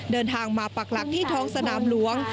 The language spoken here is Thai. เดินทางมาปักหลักที่ท้องสนามหลวง